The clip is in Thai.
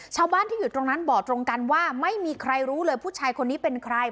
ชาวบ้านที่อยู่ตรงนั้นบอกตรงกันว่าไม่มีใครรู้เลยผู้ชายคนนี้เป็นใคร